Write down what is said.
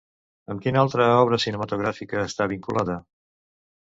Amb quina altra obra cinematogràfica està vinculada?